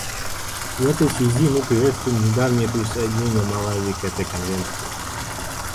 В этой связи мы приветствуем недавнее присоединение Малави к этой Конвенции.